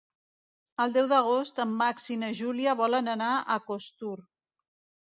El deu d'agost en Max i na Júlia volen anar a Costur.